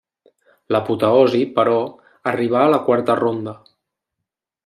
L'apoteosi, però, arribà a la quarta ronda.